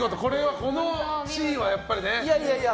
この地位はやっぱりね。